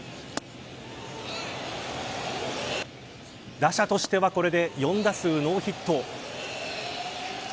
打者としてはこれで４打数ノーヒット。